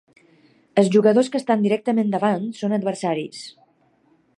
Es jugadors que estan directament davant són adversaris.